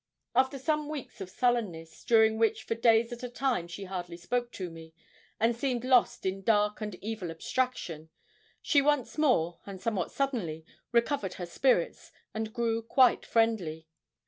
After some weeks of sullenness, during which for days at a time she hardly spoke to me, and seemed lost in dark and evil abstraction, she once more, and somewhat suddenly, recovered her spirits, and grew quite friendly.